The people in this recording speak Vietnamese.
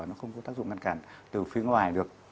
nó không có tác dụng ngăn cản từ phía ngoài được